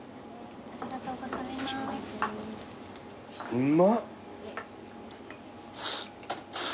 うまっ。